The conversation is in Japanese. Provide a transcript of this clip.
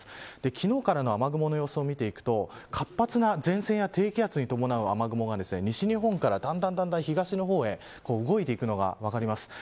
昨日からの雨雲の様子を見ていくと活発な前線や低気圧に伴う雨雲が西日本からだんだん東の方へ動いていくのが分かります。